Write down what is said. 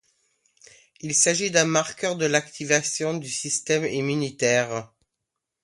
Il s'agit d'un marqueur de l'activation du système immunitaire.